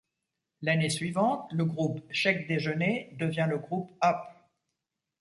L'année suivante, le Groupe Chèque Déjeuner devient le groupe Up.